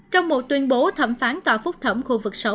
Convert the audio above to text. trong một tuyên bố thẩm phán tòa phúc thẩm khu vực sáu